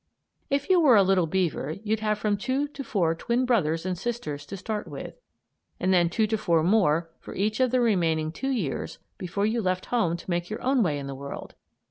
If you were a little beaver you'd have from two to four twin brothers and sisters to start with, and then two to four more for each of the remaining two years before you left home to make your own way in the world.